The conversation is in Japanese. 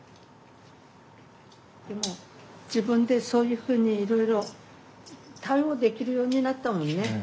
でも自分でそういうふうにいろいろ対応できるようになったもんね。